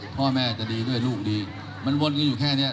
พ่อแม่จะดีด้วยลูกดีมันวนกันอยู่แค่นี้